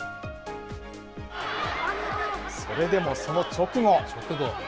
それでもその直後。